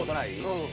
うん。